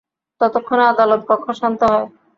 ততক্ষণে আদালত কক্ষ শান্ত হয়।